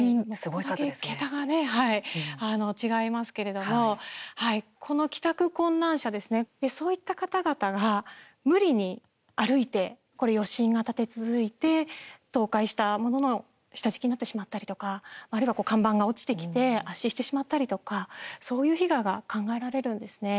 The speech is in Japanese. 本当に桁がね違いますけれどもこの帰宅困難者ですねそういった方々が無理に歩いて余震が立て続いて倒壊したものの下敷きになってしまったりとかあるいは看板が落ちてきて圧死してしまったりとかそういう被害が考えられるんですね。